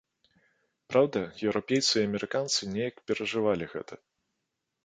Праўда, еўрапейцы і амерыканцы неяк перажывалі гэта.